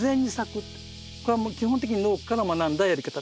これはもう基本的に農家から学んだやり方です。